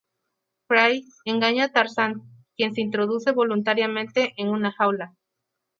Fry engaña a Tarzán, quien se introduce voluntariamente en una jaula.